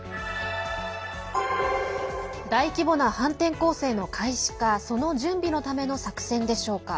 大規模な反転攻勢の開始かその準備のための作戦でしょうか。